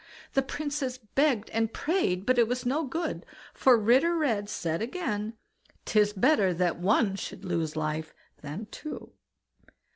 The Princess begged and prayed, but it was no good, for Ritter Red said again: "'Tis better that one should lose life than two."